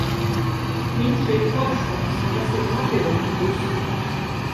Viņš ir foršulis, tas ir papildu pluss.